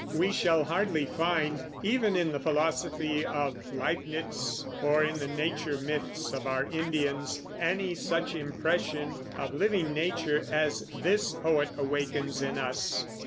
We shall hardly find, even in the philosophy of Leibnitz, or in the nature myths of our Indians, any such impression of living nature as this poet awakens in us.